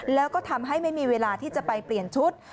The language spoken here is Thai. แล้วก็ทำให้ไม่มีเวลาที่จะไปเปลี่ยนชุด